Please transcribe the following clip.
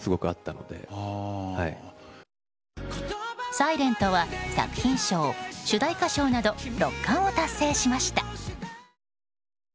「ｓｉｌｅｎｔ」は作品賞、主題歌賞など６冠を達成しました。